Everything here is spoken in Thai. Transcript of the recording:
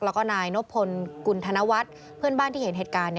แล้วก็นายนบพลกุณธนวัฒน์เพื่อนบ้านที่เห็นเหตุการณ์